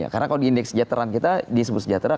karena kalau di indeks kesejahteraan kita